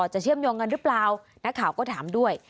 เชื่อมโยงกันหรือเปล่านักข่าวก็ถามด้วย